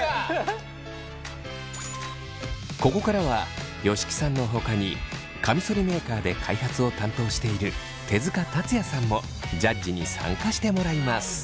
ここからは吉木さんのほかにカミソリメーカーで開発を担当している手塚達也さんもジャッジに参加してもらいます。